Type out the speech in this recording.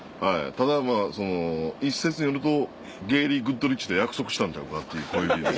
ただまぁその一説によるとゲーリー・グッドリッジと約束したんちゃうかっていう小指。